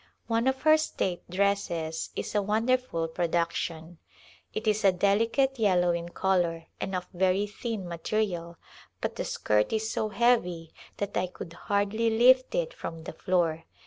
One of her state dresses is a wonderful production. It is a deli cate yellow in color and of very thin material, but the skirt is so heavy that I could hardly lift it from the floor.